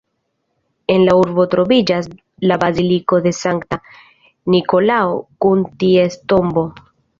En la urbo troviĝas la baziliko de Sankta Nikolao kun ties tombo.